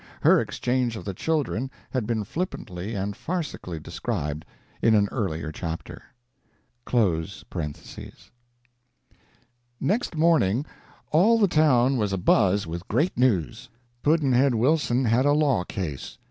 Her exchange of the children had been flippantly and farcically described in an earlier chapter.] Next morning all the town was a buzz with great news; Pudd'nhead Wilson had a law case!